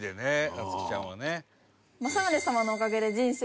夏姫ちゃんはね。